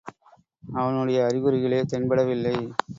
அவனுடைய அறிகுறிகளே தென்பட வில்லை.